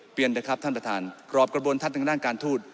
นะครับท่านประธานกรอบกระบวนทัศน์ทางด้านการทูต